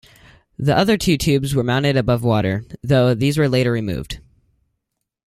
The other two tubes were mounted above water, though these were later removed.